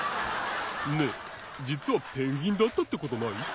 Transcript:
ねえじつはペンギンだったってことない？